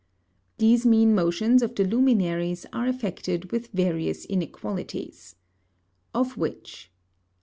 These mean Motions of the Luminaries are affected with various Inequalities: Of which, 1.